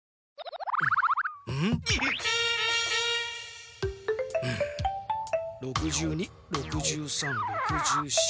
うん６２６３６４。